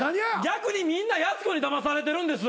逆にみんなやす子にだまされてるんです。